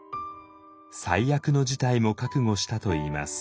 最悪の事態も覚悟したといいます。